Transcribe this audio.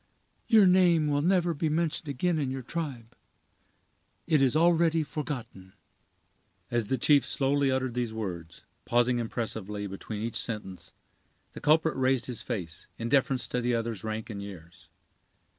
Your name will never be mentioned again in your tribe—it is already forgotten." As the chief slowly uttered these words, pausing impressively between each sentence, the culprit raised his face, in deference to the other's rank and years.